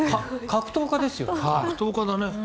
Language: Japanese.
格闘家ですよね。